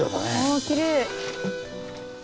あきれい。